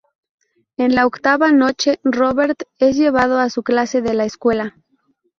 En la octava noche, Robert es llevado a su clase de la escuela.